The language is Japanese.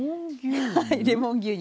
レモン牛乳？